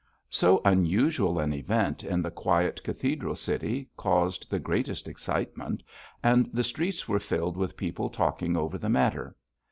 So unusual an event in the quiet cathedral city caused the greatest excitement, and the streets were filled with people talking over the matter.